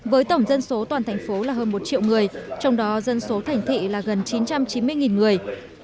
với tổng dân số toàn thành phố là hơn một triệu người trong đó dân số thành thị là gần chín trăm chín mươi người